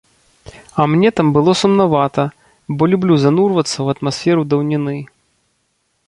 А мне там было сумнавата, бо люблю занурвацца ў атмасферу даўніны.